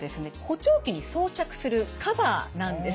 補聴器に装着するカバーなんです。